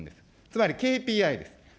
つまり、ＫＰＩです。